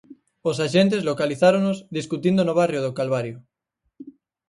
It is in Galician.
Os axentes localizáronos discutindo no barrio do Calvario.